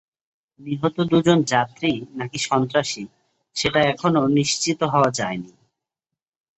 নিহত দুজন যাত্রী নাকি সন্ত্রাসী সেটা এখনও নিশ্চিত হওয়া যায়নি।